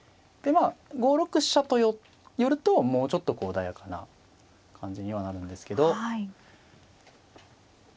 でまあ５六飛車と寄るともうちょっと穏やかな感じにはなるんですけど。